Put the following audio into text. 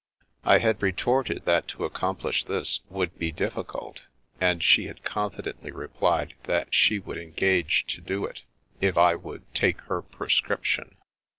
I had retorted that to accomplish this would be diffi cult, and she had confidently replied that she would engage to do it, if I would " take her prescription."